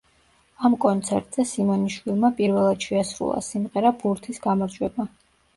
ამ კონცერტზე სიმონიშვილმა პირველად შეასრულა სიმღერა „ბურთის გამარჯვება“.